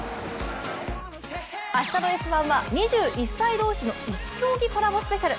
明日の「Ｓ☆１」は２１歳同士の異種競技コラボスペシャル。